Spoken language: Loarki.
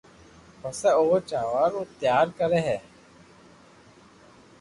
پسي او جاوا رو تيارو ڪرو ھي